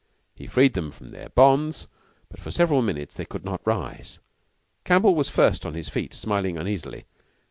He freed them from their bonds, but for several minutes they could not rise. Campbell was first on his feet, smiling uneasily.